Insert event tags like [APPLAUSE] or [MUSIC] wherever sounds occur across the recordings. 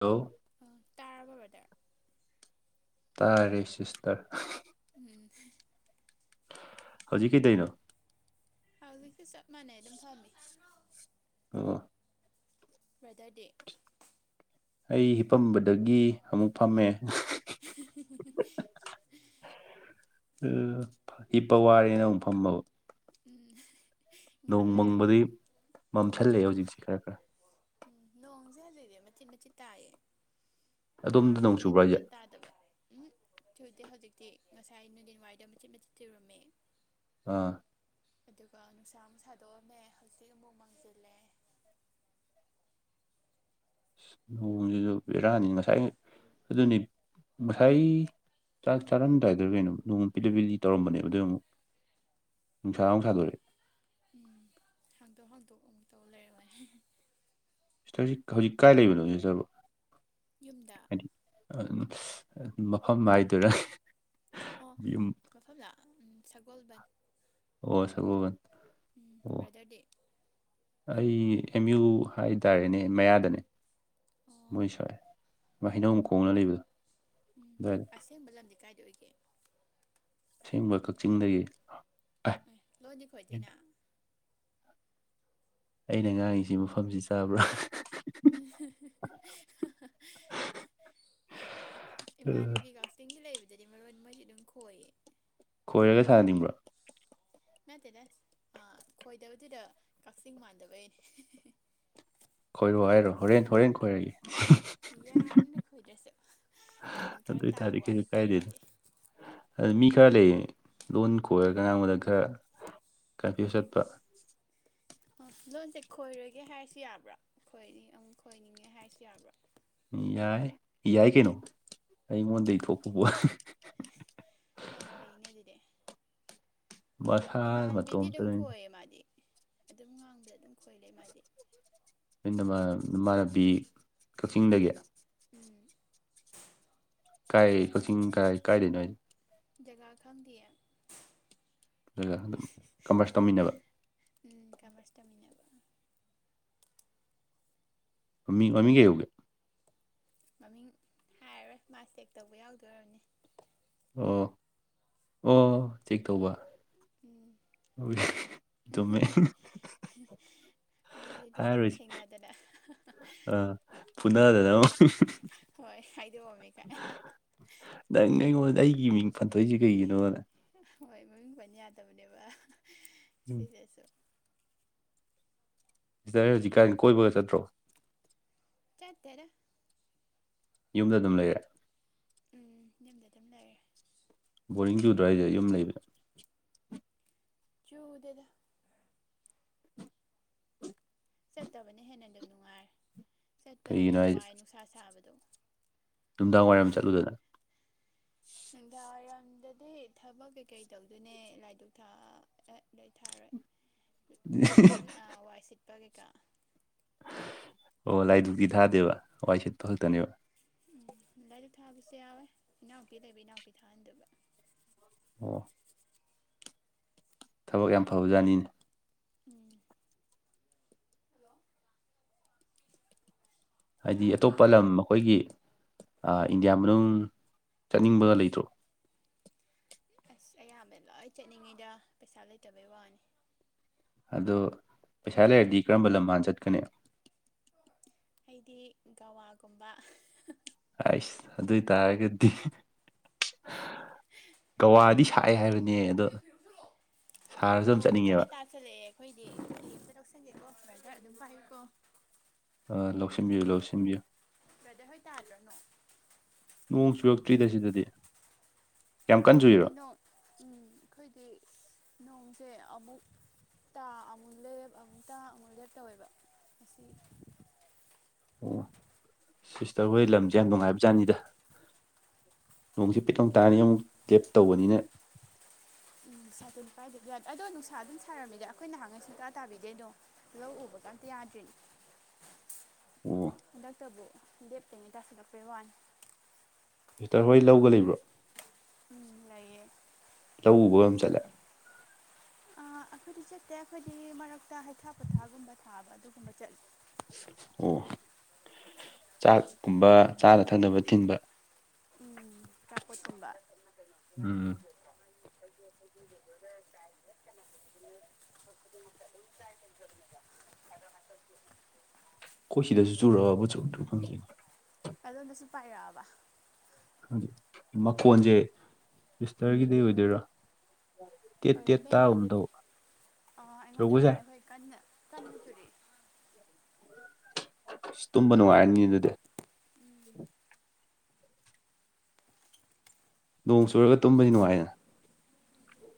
Hello ꯑꯣ ꯇꯥꯔꯕ ꯕꯗ ꯇꯥꯔꯦ ꯁꯤꯁꯇꯔ ꯎꯝ ꯍꯧꯖꯤꯛ ꯀꯩꯗꯩꯅ ꯍꯧꯖꯤꯛꯁꯨ ꯆꯞ ꯃꯥꯟꯅꯩ ꯑꯗꯨꯝ ꯐꯝꯃꯤ ꯑꯣ ꯕ꯭ꯔꯗꯔꯗꯦ ꯑꯩ ꯍꯤꯄꯝꯕꯗꯒꯤ ꯑꯃꯨꯛ ꯐꯝꯃꯦ [UNINTELLIGIBLE] ꯍꯤꯞꯄ ꯋꯥꯔꯦꯅ ꯑꯃꯨꯛ ꯐꯝꯃꯕ ꯎꯝ ꯉꯥꯏꯍꯥꯛ ꯅꯣꯡ ꯂꯩꯔ ꯃꯪꯕꯗꯤ ꯑꯃ ꯃꯝꯁꯜꯂꯛꯑꯦ ꯆꯠꯂ ꯍꯧꯖꯤꯛꯁꯦ ꯈꯔ ꯈꯔ ꯎꯝ ꯅꯣꯡꯁꯦ ꯍꯧꯖꯤꯛꯛꯇꯁꯤ ꯃꯆꯤꯠ ꯃꯆꯤꯠ ꯇꯥꯏꯌꯦ ꯑꯗꯣꯝꯗ ꯅꯣꯡ ꯇꯥꯕ꯭ꯔꯥꯁꯦ ꯆꯨꯕ꯭ꯔꯥ ꯍꯥꯏꯁꯦ ꯐꯖꯅꯥ ꯑꯗꯨ ꯎꯝ ꯊꯨꯗꯦ ꯍꯧꯖꯤꯛꯇꯤ ꯉꯁꯥꯏ ꯅꯨꯡꯊꯤꯟ ꯋꯥꯏꯗ ꯃꯆꯤꯠ ꯃꯆꯤꯠ ꯊꯤꯨꯔꯝꯃꯦ ꯑꯥ ꯑꯗꯨꯒ ꯅꯨꯡꯁꯥ ꯑꯃꯨ ꯁꯥꯗꯣꯛꯑꯝꯃꯦ ꯍꯧꯖꯤꯛ ꯑꯃꯨꯛ ꯃꯥꯡꯁꯤꯜꯂꯦ ꯂꯨꯍꯣꯡꯁꯤꯁꯨ ꯄꯔꯛꯑꯅꯤ ꯉꯁꯥꯏ ꯑꯗꯨꯅꯤ ꯉꯁꯥꯏ ꯆꯥꯛ ꯆꯥꯔꯝꯗꯥꯏꯗ ꯀꯩꯅꯣ ꯅꯣꯡꯃ ꯄꯤꯗ ꯄꯤꯗꯤ ꯇꯔꯝꯕꯅꯦꯕ ꯑꯗꯨꯏ ꯑꯃꯨꯛ ꯅꯨꯡꯁꯥꯅꯨꯡ ꯁꯥꯗꯣꯔꯑꯦ ꯎꯝ ꯍꯥꯡꯗꯣꯛ ꯍꯥꯡꯗꯣꯛ ꯑꯃꯨꯛꯇꯧ ꯂꯩꯔꯣꯏ ꯁꯤꯇꯔꯁꯤ ꯍꯧꯖꯤꯛ ꯀꯥꯏ ꯂꯩꯕꯅꯣꯅꯦꯇ꯭ꯔꯣ ꯌꯨꯝꯗ ꯍꯥꯏꯗꯤ ꯃꯐꯝ ꯍꯥꯏꯗꯨꯔ ꯑꯣ ꯃꯐꯝꯗ ꯁꯒꯣꯜꯕꯟ ꯑꯣ ꯁꯒꯣꯕ ꯎꯝ ꯕ꯭ꯔꯥꯗꯔ ꯗꯦ ꯑꯩ ꯑꯦꯝ ꯌꯨ ꯍꯥꯏꯇꯥꯔꯦꯅꯦ ꯃꯌꯥꯗꯅꯦ ꯑꯣ ꯃꯣꯏ ꯁ꯭ꯏ ꯍꯩꯅꯧ ꯈꯣꯡꯅ ꯂꯩꯕꯗꯣ ꯑꯗꯨꯏ ꯑꯊꯦꯡꯕ ꯂꯝꯗꯤ ꯀꯥꯏꯏꯗ ꯑꯣꯏꯒꯦ ꯑꯁꯦꯡꯕ ꯀꯛꯆꯤꯡꯗꯒꯤ ꯑꯦ ꯂꯣꯏꯗꯤ ꯑꯦ ꯈꯣꯏꯗꯦꯅꯦ ꯑꯩꯅ ꯉꯥꯡꯉꯤꯁꯤ ꯃꯐꯝꯁꯤ ꯆꯥꯕ꯭ꯔꯥ ꯍꯤ ꯍꯤ ꯏꯃꯥꯟꯅꯕꯤ ꯀꯥ ꯇꯤꯡꯒꯤ ꯂꯩꯕꯗꯗꯤ ꯃꯔꯣꯟ ꯃꯣꯏꯗꯤ ꯑꯗꯨꯝ ꯈꯣꯏꯌꯦ ꯈꯣꯏꯔꯒ ꯁꯥꯅꯤꯡꯕ꯭ꯔꯣ ꯅꯠꯇꯦꯗ ꯈꯣꯏꯗꯕꯗꯨꯗ ꯀꯛꯆꯤꯡ ꯃꯥꯟꯗꯕꯩꯅꯦ ꯈꯣꯏꯔꯛꯑꯣ ꯍꯥꯏꯔꯣ ꯍꯣꯔꯦꯟ ꯍꯣꯔꯦꯟ ꯈꯣꯏꯔꯒꯦ ꯌꯥꯔꯅꯤꯗ ꯈꯣꯏꯗ꯭ꯔꯁꯨ ꯒ꯭ꯌꯥꯟ ꯑꯗꯨ ꯈꯔ ꯑꯣꯏ ꯇꯥꯕ ꯇꯥꯔꯗꯤ ꯀꯩꯁꯨ ꯋꯥꯠꯂꯦ ꯀꯥꯏꯗꯦꯗ ꯈꯣꯏꯔꯛꯑꯗꯤ ꯃꯤ ꯈꯔ ꯂꯩꯌꯦ ꯂꯣꯟ ꯈꯣꯏꯔꯒ ꯉꯥꯡꯕꯗ ꯈꯔ ꯀꯔꯐ꯭ꯌꯨꯁ ꯆꯠꯄ ꯑꯣ ꯂꯣꯟꯁꯦ ꯈꯣꯏꯔꯒꯦ ꯍꯥꯏꯔꯁꯨ ꯌꯥꯕ꯭ꯔꯥ ꯈꯣꯏ ꯑꯃꯨꯛ ꯈꯣꯏꯅꯤꯡꯉꯦ ꯍꯥꯏꯔꯁꯨ ꯌꯥꯕ꯭ꯔꯥ ꯌꯥꯏ ꯌꯥꯏ ꯀꯩꯅꯣ ꯑꯩꯉꯣꯟꯗꯒꯤ ꯊꯣꯛꯄꯕ ꯌꯥꯝ ꯍꯩꯅꯦ ꯑꯗꯨꯗꯤ ꯃꯁꯥ ꯏꯃꯥꯟꯕꯤꯗꯤ ꯑꯗꯨꯝ ꯃꯇꯣꯝꯇꯅꯤꯗ ꯈꯣꯏꯌꯦ ꯃꯥꯗꯤ ꯑꯗꯨꯝ ꯉꯥꯡꯕꯗ ꯑꯗꯨꯝ ꯈꯣꯏ ꯂꯩ ꯃꯥꯗꯤ ꯅ ꯅꯃꯥꯟꯅꯕꯤ ꯀꯛꯆꯤꯡꯗꯒꯤ ꯎꯝ ꯀꯥꯏ ꯀꯣꯆꯤꯡ ꯀꯥꯏ ꯀꯥꯏ ꯂꯩꯅꯣ ꯍꯥꯏꯗꯤ ꯖꯒꯥ ꯈꯪꯗꯌꯦ ꯑꯗꯨꯒ ꯑꯗꯨꯝ ꯀꯝꯃꯔꯁ ꯇꯧꯃꯤꯟꯅꯕ ꯎꯝ ꯀꯃꯔꯁ ꯇꯝꯃꯤꯟꯅꯕ ꯃꯃꯤꯡ ꯀꯩ ꯀꯧꯒꯦ ꯃꯃꯤꯡ ꯍꯥꯏꯔꯔꯣꯏ ꯃꯥ ꯆꯦꯛ ꯇꯧꯕ ꯌꯥꯎꯗꯣꯢ ꯑꯣꯢꯔꯝꯅꯤ ꯑꯣ ꯑꯣ ꯆꯦꯛ ꯇꯧꯕ ꯎꯝ ꯆꯨꯝꯃꯦ ꯕꯦꯂꯤꯗꯦꯁꯥꯟꯗ ꯑꯃꯨꯛ ꯍꯥꯏꯔꯣꯏꯁꯤ ꯊꯦꯡꯅꯗꯅ ꯑꯥ ꯐꯨꯅꯗ꯭ꯔꯣ ꯍꯣꯏ ꯍꯥꯏꯗꯣꯛ ꯑꯝꯃꯤꯀꯥꯏꯅ ꯅꯪ ꯑꯩꯉꯣꯟꯗ ꯑꯩꯒꯤ ꯃꯤꯡ ꯁꯥꯟꯗꯣꯛꯢꯁꯦ ꯀꯩꯒꯤꯅꯣꯅ ꯍꯣꯏ ꯃꯃꯤꯡ ꯄꯥꯟ ꯌꯥꯗꯕꯅꯦꯕ ꯎꯝ ꯁꯤꯁꯤꯁꯨ ꯁꯤꯁꯇꯔ ꯍꯧꯖꯤꯛꯀꯥꯟ ꯀꯣꯏꯕꯒ ꯆꯠꯇ꯭ꯔꯣ ꯆꯥꯠꯇꯦꯗ ꯌꯨꯝꯗ ꯑꯗꯨꯝ ꯂꯩꯔꯦ ꯎꯝ ꯌꯨꯝꯗ ꯑꯗꯨꯝ ꯂꯩꯔꯦ ꯕꯣꯔꯤꯡ ꯆꯨꯗ꯭ꯔꯥ ꯍꯥꯏꯁꯦ ꯌꯨꯝ ꯂꯩꯕꯁꯦ ꯆꯨꯗꯦꯗ ꯆꯠꯇꯕꯅ ꯍꯦꯟꯅ ꯑꯗꯨꯝ ꯅꯨꯡꯉꯥꯏ ꯆꯠꯄꯅ ꯀꯩꯒꯤꯅꯣ ꯍꯦꯟꯅ ꯍꯥꯏꯁꯦ ꯋꯥꯏ ꯅꯨꯡꯁꯥ ꯁꯥꯕꯗꯣ ꯅꯨꯡꯗꯥꯡ ꯋꯥꯏꯔꯝ ꯆꯠꯂꯨꯗꯅ ꯅꯨꯡꯗꯥꯡꯋꯥꯏꯔꯝꯗꯗꯤ ꯊꯕꯛ ꯀꯩꯀꯩ ꯇꯧꯗꯣꯏꯅꯦ ꯂꯥꯏꯙꯨꯛ ꯊꯥ ꯑꯦ ꯂꯩ ꯊꯥꯔꯣꯏ ꯋꯥꯏ ꯁꯤꯠꯄ ꯀꯩꯀꯥ ꯑꯣ ꯂꯥꯏꯙꯨꯛꯇꯤ ꯊꯥꯗꯦꯕ ꯋꯥꯏ ꯁꯤꯠꯄ ꯈꯛꯇꯅꯦꯕ ꯎꯝ ꯂꯥꯏꯙꯨꯛ ꯊꯥꯕꯁꯨ ꯌꯥꯎꯋꯦ ꯏꯅꯥꯎꯄꯤ ꯂꯩꯕ ꯏꯅꯥꯎꯄꯤ ꯊꯥꯍꯟꯗꯨꯢꯕ ꯑꯣ ꯊꯕꯛ ꯌꯥꯝ ꯐꯕ ꯖꯥꯠꯅꯤꯅꯦ ꯎꯝ ꯍꯜꯂꯣ ꯍꯥꯏꯗꯤ ꯑꯇꯣꯞꯄ ꯂꯝ ꯑꯈꯣꯏꯒꯤ ꯏꯟꯗꯤꯌꯥ ꯃꯅꯨꯡ ꯆꯠꯅꯤꯡꯕꯒ ꯂꯩꯇ꯭ꯔꯣ ꯑꯁ ꯑꯌꯥꯝꯕ ꯂꯣꯏ ꯆꯠꯅꯤꯡꯉꯤꯗ ꯄꯩꯁꯥ ꯂꯩꯇꯕꯩ ꯋꯥꯅꯤ ꯑꯗꯣ ꯄꯩꯁꯥ ꯂꯩꯔꯗꯤ ꯀꯔꯝꯕ ꯂꯝ ꯍꯥꯟꯅ ꯆꯠꯀꯅꯤ ꯑꯩꯗꯤ ꯒꯧꯋꯥꯒꯨꯝꯕ ꯑꯩꯁ ꯑꯗꯨ ꯑꯣꯏꯇꯥꯔꯒꯗꯤ ꯒꯧꯋꯥꯗꯤ ꯁꯥꯛꯑꯦ ꯍꯥꯏꯕꯅꯦ ꯑꯗꯣ ꯁꯥꯔꯁꯨ ꯑꯗꯨꯝ ꯅꯣꯡꯕꯨ ꯆꯠꯅꯤꯡꯉꯦꯕ ꯀꯟꯅ ꯇꯥꯥꯁꯜꯂꯛꯑꯦ ꯑꯩꯈꯣꯏꯗꯤ ꯐꯤ ꯑꯝꯇ ꯂꯧꯁꯟꯒꯦꯀꯣ ꯕꯥ꯭ꯔꯗꯔ ꯑꯗꯨꯝ ꯄꯥꯏꯌꯨꯀꯣ ꯑ ꯂꯧꯁꯤꯟꯕꯤꯌꯨ ꯂꯧꯁꯤꯟꯕꯤꯌꯨ ꯕꯗ ꯍꯣꯏ ꯇꯥꯗ꯭ꯔꫭ ꯅꯣꯡ꯫ ꯅꯣꯡ ꯆꯨꯔꯛꯇ꯭ꯔꯤꯗ ꯁꯤꯗꯗꯤ꯫ ꯌꯥꯝ ꯀꯟ ꯑꯩꯈꯣꯏꯗꯤ ꯆꯨꯏꯔꯣ ꯅꫭꯡ ꯎꯝ ꯑꯩꯈꯣꯏꯗꯤ ꯅꯣꯡꯁꯦ ꯑꯃꯨꯛ ꯇꯥ ꯑꯃꯨꯛ ꯂꯦꯞ ꯑꯃꯨꯛ ꯇꯥ ꯑꯃꯨꯛ ꯂꯦꯞ ꯇꯧꯋꯦꯕ ꯑꯁꯤ꯫ ꯑꯣ ꯁꯤꯁꯇꯔ ꯍꯣꯏ ꯂꯝꯁꯦ ꯌꯥꯝ ꯅꯨꯡꯉꯥꯏꯕ ꯖꯥꯠꯅꯤꯗ꯫ ꯅꯣꯡꯁꯦ ꯄꯤꯇꯧ ꯇꯥꯅꯤ ꯑꯃꯨꯛ ꯂꯦꯞ ꯇꯧꯕꯅꯤꯅ ꯎꯝ ꯁꯥꯇꯤꯟ ꯄꯥꯏꯗꯗꯤ ꯌꯥꯗꯦ ꯑꯗꯣ ꯅꯨꯡꯁꯥ ꯑꯗꯨꯝ ꯁꯥꯔꯝꯃꯤꯗ ꯑꯩꯈꯣꯏ ꯅꯍꯥꯟꯉꯩ ꯁꯨꯡꯇꯥꯥ ꯇꯥꯕꯤꯗꯦ ꯑꯗꯣ꯫ ꯂꯧ ꯎꯕꯀ ꯃꯝꯇ ꯌꯥꯗ꯭ꯔꯤꯅꯦ [UNINTELLIGIBLE] ꯑꯣ ꯍꯟꯗꯥꯛꯇꯕꯨ ꯂꯦꯞꯇꯉꯩ ꯇꯥꯁꯤꯜꯂꯛꯄꯩ ꯋꯥꯅꯤ ꯁꯤꯁꯇ꯭ꯔ ꯍꯣꯏ ꯂꯧꯒ ꯂꯩꯕ꯭ꯔꯣ ꯎꯝ ꯂꯩꯌꯦ ꯂꯧ ꯎꯕ ꯑꯗꯨꯝ ꯆꯠꯂꯦ ꯑ ꯑꯩꯈꯣꯏꯗꯤ ꯆꯠꯇꯦ ꯑꯩꯈꯣꯏꯗꯤ ꯃꯔꯛꯇ ꯍꯩꯊꯥ ꯄꯣꯊꯥꯒꯨꯝꯕ ꯊꯥꯕ ꯑꯗꯨꯒꯨꯝꯕ ꯆꯠꯂꯦ ꯑꯣ ꯆꯥꯛꯀꯨꯝꯕ ꯆꯥꯅ ꯊꯛꯅꯕ ꯊꯤꯟꯕ ꯎꯝ ꯆꯥꯄꯣꯠꯀꯨꯝꯕ꯫ [INAUDIBLE] ꯎꯝ [INAUDIBLE] ꯈꯣꯏ ꯁꯤꯗꯁꯨ ꯆꯨꯔꯛꯑꯕꫭ ꯆꯨꯔꯛꯇ꯭ꯔꯤꯕ ꯈꯪꯗꯦ꯫ ꯑꯗꯣꯝꯗꯁꯨ ꯄꯥꯏꯔꯛꯑꯕ꯫ ꯈꯪꯗꯦ ꯃꯈꯣꯟꯁꯦ ꯁꯤꯁꯇꯔꯒꯤꯗꯩ ꯑꯣꯏꯗꯣꯏꯔꯥ꯫ ꯑꯣꯏꯔꯝꯕ ꯌꯥꯏ ꯑꯗꯨꯗꯤ ꯑ ꯑꯩꯉꯣꯟꯗꯩ ꯆꯨꯔꯛꯄꯁꯨ ꯌꯥꯏ ꯑꫭꯏꯔꯝꯅꯤ ꯑꯩꯈꯣꯏ ꯀꯟꯅ ꯀꯟꯅ ꯆꯨꯔꯤ꯫ ꯑꯁ ꯇꯨꯝꯕ ꯅꯨꯡꯉꯥꯏꯔꯅꯤ ꯑꯗꯨꯗꯤ꯫ ꯎꯝ꯫ ꯅꯣꯡ ꯆꯨꯔꯒ ꯇꯨꯝꯕꯗꯤ ꯅꯨꯡꯉꯥꯏꯅ꯫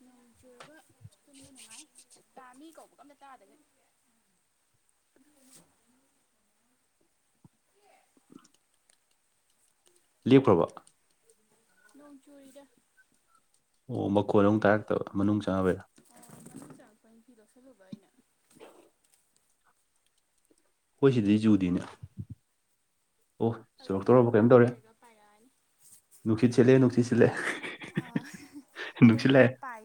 ꯅꯣꯡ ꯆꯨꯔꯒ ꯇꯨꯝꯕ ꯅꯨꯡꯉꯥꯏ ꯇꯥ ꯃꯤ ꯀꯧꯕꯀ ꯑꯝꯇ ꯇꯥꯗꯒꯩ꯫ ꯂꯦꯞꯈ꯭ꯔꯕꫭ꯫ ꯅꯣꯡ ꯆꯨꯔꯤꯗ꯫ ꯑꯣ ꯃꯈꯣꯟ ꯑꯃꯨꯛ ꯇꯥꯔꯛꯇꯕ ꯃꯅꯨꯡ ꯆꯪꯉꯕꯩꯔꯥ꯫ ꯑꯣ ꯃꯅꯨꯡ ꯆꯪꯉꯛꯄꯩ ꯐꯤ ꯂꯧꯁꯜꯂꯨꯕ ꯑꯩꯅ ꯑꯗꯨꯒꯤ꯫ ꯈꯣꯏ ꯁꯤꯗꯗꯤ ꯆꯨꯗꯦꯅꯦ꯫ ꯑꯣ ꯑꯗꯣꯝꯗ ꯆꯨꯔꯛꯇꯧꯔꯕ ꯑꯃꯨꯛ ꯀꯩꯅꯣꯝ ꯉꯍꯥꯛ ꯇꯧꯔꯦ ꯂꯩꯔꯒ ꯄꯥꯏꯔꯛꯑꯅꯤ꯫ ꯅꯨꯡꯁꯤꯠ ꯁꯤꯠꯂꯛꯑꯦ ꯅꯨꯡꯁꯤꯠ ꯁꯤꯠꯂꯛꯑꯦ ꯑ ꯍꯍ ꯅꯨꯡꯁꯤꯠ ꯑꯗꯣꯝꯗ ꯂꯥꯛꯑꯦ ꯈꯔ ꯄꯥꯏ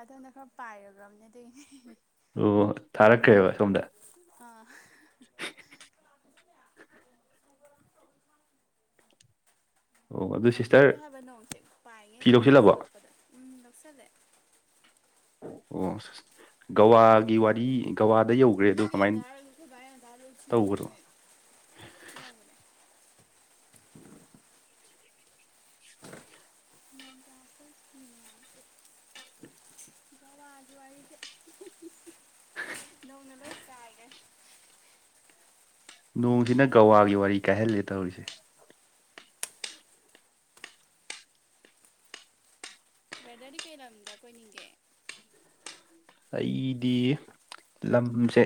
ꯑꯗꫭꯝꯗ ꯈꯔ ꯄꯥꯏꯈ꯭ꯔꯕꯅꯦ ꯑꯗꯨꯒꯤꯅꯦ꯫ ꯑꯣ ꯊꯥꯔꯛꯈ꯭ꯔꯦꯕ ꯁꯣꯝꯗ꯫ ꯑ꯫ ꯑꯣ ꯑꯗꯨ ꯁꯤꯁꯇꯔ ꯅꯪꯍꯧꯗꯦ ꯍꯥꯏꯕ ꯅꯣꯡꯁꯦ ꯄꯥꯏꯉꯩ ꯐꯤ ꯂꯧꯁꯤꯜꯂꯕꯣ ꯇꯥꯁꯤꯜꯂꯛꯄꯗ ꯎꯝ ꯂꯧꯁꯜꯂꯦ꯫ ꯑꯣ ꯁꯁ ꯒꯋꯥꯒꯤ ꯋꯥꯔꯤ ꯒꯋꯥꯗ ꯌꯧ ꯅꯪꯒꯤ ꯑꯗꯥꯥꯔꯒ ꯈꯣꯏ ꯚꯥꯒꯤ ꯑꯗꯥꯥꯔ ꯂꯣꯏ꯫ ꯇꯧꯕꯅꯣ [INAUDIBLE] [INAUDIBLE] [INAUDIBLE] ꯅꯧꯅ ꯂꯣꯏ ꯆꯥꯏꯒ꯭ꯔꯦ꯫ ꯅꯣꯡꯁꯤꯅ ꯒꯋꯥꯒꯤ ꯋꯥꯔꯤ ꯀꯥꯏꯍꯜꯂꯦ ꯇꯧꯔꯤꯁꯦ꯫ ꯕ꯭ꯔꯗꯔꯗꯤ ꯀꯩ ꯂꯝꯗ ꯀꯣꯏꯅꯤꯡꯒꯦ꯫ ꯑꯩꯗꯤ ꯂꯝꯁꯦ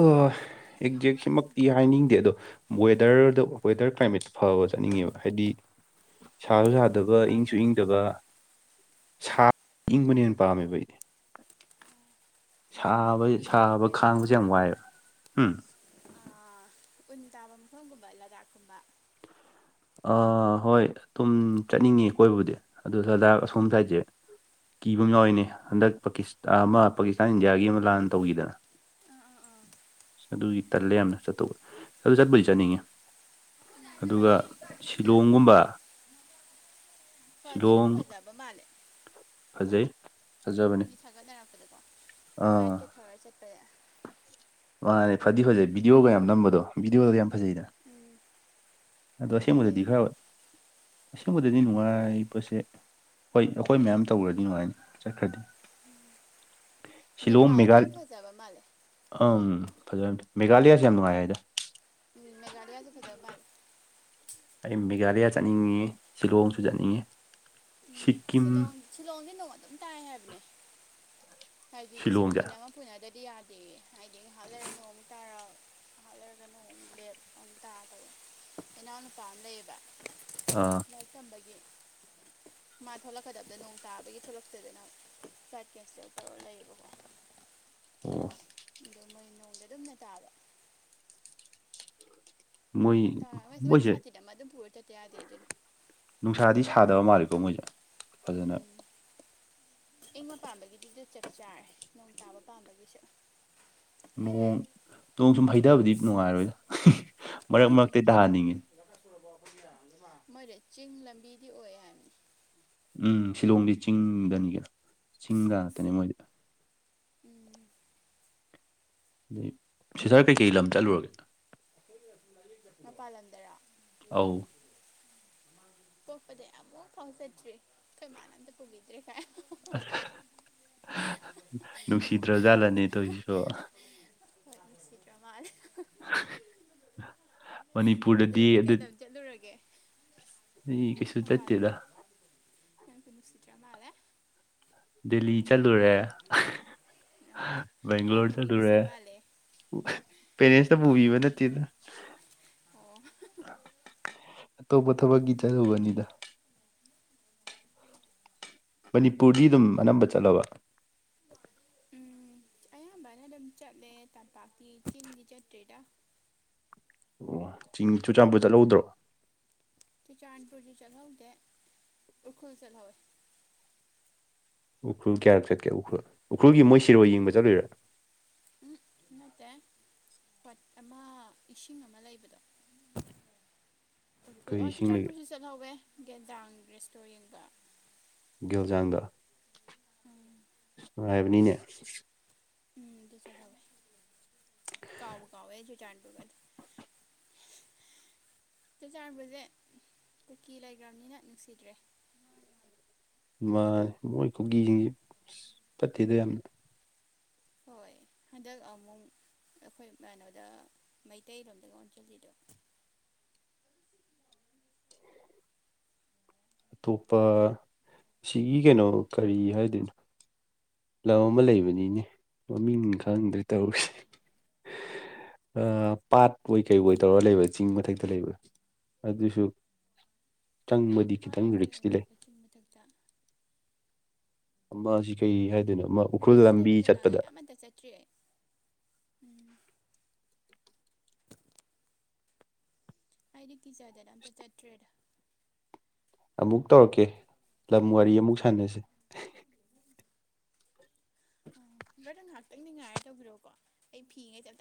ꯑ ꯑꯦꯛꯖꯦꯛꯁꯤꯃꯛꯇꯤ ꯍꯥꯏꯅꯤꯡꯗꯦ ꯑꯗꯣ ꯋꯦꯗꯔꯗ ꯋꯦꯗꯔ ꯀ꯭ꯂꯥꯏꯃꯦꯠ ꯐꯕ ꯆꯠꯅꯤꯡꯉꯦꯕ ꯍꯥꯏꯗꯤ ꯁꯥꯁꯨ ꯃꯤꯅꯤꯠ ꯁꯥꯗꯕ ꯃꯉꯥꯃꯨꯛ ꯏꯪꯁꯨ ꯋꯥꯔꯤ ꯏꯪꯗꯕ꯫ ꯁꯥ ꯏꯪꯕꯅ ꯍꯦꯟꯅ ꯄꯥꯝꯃꯦꯕ ꯑꯩꯗꯤ꯫ ꯁꯥꯕ ꯑꯗꯨꯗꯤ ꯁꯥꯕ ꯈꯥꯡꯕꯁꯦ ꯀꯩꯅꯣꯒꯨꯝꯕ ꯌꯥꯝ ꯋꯥꯏꯑꯦꯕ ꯎꯝ ꯎꯟ ꯇꯥꯕ ꯃꯐꯝꯒꯨꯝꯕ ꯂꯗꯥꯛꯀꯨꯝꯕ꯫ ꯍꯣꯏ ꯑꯗꯨꯝ ꯆꯠꯅꯤꯡꯉꯤ ꯀꯣꯏꯕꯨꯗꯤ ꯑꯗꯨ ꯁꯗꯥꯛ ꯑꯁꯣꯝ ꯁꯥꯏꯠꯁꯦ ꯀꯤꯕꯃꯥ ꯌꯥꯎꯏꯅꯦ ꯍꯟꯗꯛ ꯄꯥꯀꯤꯁ ꯑꯃ ꯄꯥꯀꯤꯁꯇꯥꯟ ꯏꯟꯗꯤꯌꯥꯒꯤ ꯑꯃ ꯂꯥꯟꯅ ꯇꯧꯋꯤꯗꯅ ꯑꯥ ꯑꯥ ꯑꯥ ꯑꯗꯨꯒꯤ ꯇꯜꯂꯦ ꯌꯥꯝꯅ ꯆꯠꯇꯧꯕ ꯑꯗꯨ ꯆꯠꯄꯨꯗꯤ ꯆꯠꯅꯤꯡꯉꯤ ꯑꯗꯨꯒ ꯐꯗꯤ ꯁꯤꯂꯣꯡꯒꯨꯝꯕ ꯐꯗꯤ ꯑꯗꯨꯝ ꯁꯤꯂꯣꯡ ꯐꯖꯕ ꯃꯥꯜꯂꯦ ꯐꯖꯩ ꯐꯖꯕꯅꯦ ꯃꯤ ꯊꯥꯒꯠꯅꯔꯛꯄꯗꯀꯣ ꯑꯥ ꯕꯥꯏꯛꯀ ꯊꯧꯔ ꯆꯠꯄꯁꯦ ꯃꯥꯅꯦ ꯐꯗꯤ ꯐꯖꯩ ꯚꯤꯗꯤꯑꯣꯒ ꯌꯥꯝ ꯅꯝꯕꯗꯣ ꯚꯤꯗꯤꯑꯣꯒꯗꯤ ꯌꯥꯝ ꯐꯖꯩꯗꯅ꯫ ꯎꯝ꯫ ꯑꯗꯣ ꯑꯁꯦꯡꯕꯗꯗꯤ ꯈꯔꯕ ꯑꯁꯦꯡꯕꯗꯗꯤ ꯅꯨꯡꯉꯥꯏꯕꯁꯦ ꯍꯣꯏ ꯑꯈꯣꯏ ꯃꯌꯥꯝ ꯇꯧꯔꯗꯤ ꯅꯨꯡꯉꯥꯏꯅꯤ ꯆꯠꯈ꯭ꯔꯗꯤ꯫ ꯁꯤꯂꯣꯡ ꯅꯦꯄꯥꯜꯁꯦ ꯃꯦꯘꯜ ꯌꯥꯝ ꯐꯖꯕ ꯃꯥꯜꯂꯦ ꯑꯪ ꯐꯖ ꯃꯦꯘꯥꯂꯌꯥꯁꯦ ꯌꯥꯝ ꯅꯨꯡꯉꯥꯏ ꯍꯥꯏꯗ ꯃꯒꯥꯔꯤ ꯑꯗꯨ ꯐꯗꯕꯥꯜ [UNINTELLIGIBLE] ꯑꯩ ꯃꯦꯒꯥꯂꯌꯥ ꯆꯠꯅꯤꯡꯉꯦ ꯁꯤꯂꯣꯡꯁꯨ ꯆꯠꯅꯤꯡꯉꯦ ꯎꯝ ꯁꯤꯂꯣꯡ ꯁꯤꯂꯣꯡꯖꯤ ꯅꯣꯡ ꯑꯗꯨꯝ ꯇꯥꯏ ꯍꯥꯏꯕꯅꯦ ꯍꯥꯏꯗꯤꯅ‌ꯦ ꯁꯤꯂꯣꯡꯁꯦ ꯁꯥꯇꯤꯟ ꯑꯃ ꯄꯨꯟꯅꯗꯗꯤ ꯌꯥꯗ ꯗ‌ꯦ ꯍꯥꯏꯗꯤ ꯉꯥꯏꯍꯥꯛ ꯂꯩꯔꯒ ꯅꫭꯡ ꯑꯃꯨꯛ ꯇꯥꯔꯛ ꯉꯥꯏꯍꯥꯛ ꯂꯩꯔꯒ ꯅꯣꯡ ꯑꯃꯨꯛ ꯂꯦꯞ ꯑꯃꯨꯛ ꯇꯥꯔ ꯇꯧꯋ‌ꯦ ꯏꯅꯥꯎꯅꯨꯄꯥꯝꯃ ꯂꯩꯩꯌꯦꯕ ꯑꯥ ꯁꯦꯝꯝꯕꯒꯤ [UNINTELLIGIBLE] ꯃꯥ ꯊꯣꯛꯂꯛꯀꯗꯕꯗꫭ ꯅꯣꯡ ꯇꯥꯕꯗꯒꯤ ꯊꯣꯛꯂꯛꯇꯗꯅ ꯐ꯭ꯂꯥꯏꯠ ꯀꯦꯟꯁ‌ꯦꯜ ꯇꯧꯔ ꯂꯩꯌꯦꯕꯀꯣ ꯑꫭ ꯑꯗꯩ ꯃꯣꯏ ꯅꯣꯡꯗꫭ ꯑꯗꯨꯝꯅ ꯇꯥꯕ ꯃꯣꯏ ꯍꯞꯇꯃꯥ ꯃꯣꯏꯗꯤ ꯃꯣꯏꯁꯦ ꯁꯥꯇꯤꯟ ꯑꯃ ꯑꯗꯨꯝ ꯄꯨꯔ ꯆꯠ ꯌꯥꯗꯦ ꯑꯗꯨꯅ ꯅꯨꯡꯁꯥꯗꯤ ꯁꯥꯗꯕ ꯃꯥꯜꯂꯤꯀꯣ ꯃꯣꯏꯁꯦ ꯐꯖꯅ ꯎꯝ ꯏꯪꯕ ꯄꯥꯝꯕꯒꯤꯗꯨꯗꯤ ꯆꯞ ꯆꯥꯔꯦ ꯅꯣꯡ ꯇꯥꯕ ꯄꯥꯝꯕꯒꯤꯁꯨ ꯅꯣꯡ ꯅꯣꯡ ꯁꯨꯝ ꯍꯩꯊꯕꯗꯤ ꯅꯨꯡꯉꯥꯏꯔꯣꯏꯗ ꯃꯔꯛ ꯃꯔꯛꯇ ꯇꯥꯍꯟꯅꯤꯡꯉꯤ ꯃꯣꯏꯗꯤ ꯆꯤꯡ ꯂꯝꯕꯤꯗꯤ ꯑꯣꯏ ꯍꯥꯏꯕꯅꯤ ꯎꯝ ꯁꯤꯂꯣꯡꯗꯤ ꯆꯤꯡꯗꯅꯤ ꯀꯩꯅꫭ ꯆꯤꯡꯗ ꯉꯥꯛꯇꯅꯦ ꯃꯣꯏꯗꯤ ꯎꯝ ꯁꯤꯇꯔ ꯀꯩꯀꯩ ꯂꯝ ꯆꯠꯂꯨꯔꯒꯦ ꯃꯄꯥꯜ ꯂꯝꯗꯔꫭ ꯑꯧ ꯄꯣꯛꯄꯗꯩ ꯑꯃꯨꯛ ꯐꯥꯎ ꯆꯠꯇꯔꯤ ꯑꯩꯈꯣꯏ ꯏꯃꯅ ꯑꯝꯇ ꯄꯨꯕꯤꯗ꯭ꯔꯦ ꯀꯥꯏ ꯅꯨꯡꯁꯤꯗ꯭ꯔꯖꯥꯠꯂꯅ‌ꯦ ꯇꯧꯋꯤꯁꯤꯕꫭ ꯅꯨꯡꯁꯤꯗꯔꯥ ꯃꯥꯟꯂ‌ꯦ ꯕ꯭ꯔꯗꯔ ꯃꯅꯤꯄꯨꯔꯗꯗꯤ ꯀꯩꯀꯩ ꯂꯝ ꯑꯗꯨꯗꯤ ꯆꯠꯂꯨꯔꯒꯦ ꯀꯩꯁꯨ ꯆꯠꯇꯦꯗ ꯃꯄꯥꯟꯂꫭꯝꯗ ꯑꯩ ꯑꯝꯇꯥ ꯅꯨꯡꯁꯤꯗꯔꯥ ꯃꯥꯜꯂ‌ꯦ ꯗꯤꯜꯍꯤ ꯆꯠꯂꯨꯔꯦ ꯑꯣ ꯑꯣ ꯕꯦꯡꯒ꯭ꯂꯣꯔ ꯅꯨꯡꯗꯤ ꯅꯨꯡꯁꯤ ꯆꯠꯂꯨꯔꯦ ꯃꯥꯜꯂꯦ ꯄꯦꯔꯦꯟꯁꯅ ꯄꯨꯕꯤꯕ ꯅꯠꯇꯦꯗ ꯑꯣ ꯑꯇꯣꯞꯄ ꯊꯕꯛꯀꯤ ꯆꯠꯂꯨꯕꯅꯤꯗ ꯃꯅꯤꯄꯨꯔꯗꯤ ꯑꯗꯨꯝ ꯑꯅꯝꯕ ꯆꯠꯂꯕ ꯎꯝ ꯑꯌꯥꯝꯕꯅ ꯑꯗꯨꯝ ꯆꯠꯂꯦ ꯇꯝꯄꯥꯛꯀꯤ ꯆꯦꯡꯗꯤ ꯆꯠꯇ꯭ꯔꯤꯗ ꯑꯣ ꯆꯦꯡ ꯆꯨꯔꯆꯥꯟꯄꯨꯔ ꯆꯠꯍꯧꯗ꯭ꯔꯣ ꯆꯨꯔꯆꯥꯟꯄꯨꯔꯗꯤ ꯆꯠꯍꯧꯗ‌ꯦ ꯎꯔꯈꯜ ꯆꯠꯍꯧꯋꯤ ꯎꯈ꯭ꯔꯨꯜ ꯀꯌꯥꯔꯛ ꯆꯠꯀꯦ ꯎꯈ꯭ꯔꯨꯜ ꯎꯈ꯭ꯔꯨꯜꯒꯤ ꯃꯣꯏ ꯁꯤꯔꯣꯏ ꯌꯦꯡꯕ ꯆꯠꯂꯨꯏꯔꯥ ꯎꯝ ꯅꯠꯇꯦ ꯄꯠ ꯑꯃ ꯏꯁꯤꯡ ꯑꯃ ꯂꯩꯕꯗꯣ [INAUDIBLE] ꯀꯩ ꯑꯣ ꯏꯁꯤꯡ ꯂꯩꯒꯦ ꯆꯨꯔꯆꯥꯟꯄꯨꯔꯁꯨ ꯆꯠꯍꯧꯋꯦ ꯒꯦꯟꯗꯥꯡ ꯔꯦꯁꯇꯣꯔꯦꯟꯗ ꯒꯦꯜꯖꯥꯡꯗ ꯎꯝ ꯅꯨꯡ ꯉꯥꯏꯕꯅꯤꯅꯦ ꯎꯝ ꯑꯗꯨ ꯆꯂꯋꯦ ꯀꯥꯎꯕꯨ ꯀꯥꯎꯋꯦ ꯆꯨꯔꯆꯥꯟꯄꯨꯔꯖꯦ ꯀꯨꯀꯤ ꯂꯩꯒ꯭ꯔꯝꯅꯤꯅ ꯅꯨꯡꯁꯤꯗ꯭ꯔꯦ ꯎꯝ ꯃꯥ ꯃꯣꯏ ꯀꯨꯀꯤꯖꯤꯡꯖꯦ ꯐꯠꯇꯦꯗ ꯌꯥꯝ ꯍꯣꯏ ꯍꯟꯗꯛ ꯑꯃꯨꯛ ꯑꯩꯈꯣꯏ ꯀꯩꯅꯣꯗ ꯃꯩꯇꯩꯔꯣꯝꯗ ꯑꯣꯟꯁꯤꯜꯂꯤꯗꯣ ꯑꯇꯣꯞꯄ ꯁꯤꯒꯤ ꯀꯩꯅꯣ ꯀꯔꯤ ꯍꯥꯏꯗꯣꯏꯅꯣ ꯂꯝ ꯑꯃ ꯂꯩꯕꯅꯤꯅꯦ ꯃꯃꯤꯡ ꯈꯪꯗꯔ‌ꯦ ꯇꯧꯔꯤꯁꯦ ꯑꯥ ꯄꯥꯠ ꯑꯣꯏ ꯀꯩ ꯑꯣꯏ ꯇꯧꯔ ꯂꯩꯕ ꯆꯤꯡ ꯃꯊꯛꯇ ꯂꯩꯕ ꯑꯗꯨꯁꯨ ꯆꯪꯕꯗꯤ ꯄꯥꯠ ꯈꯤꯇꯪ ꯑꯣꯏ ꯀꯩ ꯔꯤꯛꯁꯇꯤ ꯑꯣꯏ ꯂꯩ ꯇꯧꯕ ꯆꯤꯡ ꯃꯊꯛꯇ ꯑꯃꯖꯤ ꯀꯩ ꯍꯥꯏꯗꯣꯏꯅꯣ ꯑꯃ ꯎꯔꯈꯨꯜ ꯂꯝꯕꯤ ꯆꯠꯄꯗ ꯆꯠꯏ꯭ꯔꯤ ꯑꯩ ꯎꯝ ꯑꯩꯗꯤ ꯀꯤꯖꯗꯅ ꯑꯝꯇ ꯆꯠꯇ꯭ꯔꯦꯗ ꯑꯃꯨꯛ ꯇꯧꯔꯛꯀꯦ ꯂꯝ ꯋꯥꯔꯤ ꯑꯃꯨꯛ ꯁꯥꯟꯅꯁꯤ ꯑ ꯕ꯭ꯔꯥꯗ ꯉꯥꯏꯍꯥꯛꯇꯪ ꯉꯥꯏꯔ ꯇꯧꯕꯤꯔꯣꯀꯣ ꯑꯩ ꯐꯤꯉꯩ ꯑꯝꯇ